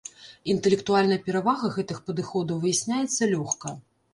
Інтэлектуальная перавага гэтых падыходаў выясняецца лёгка.